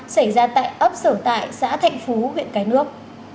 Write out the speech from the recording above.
xảy ra tại ấp sở tại xã thạnh phú huyện cái nước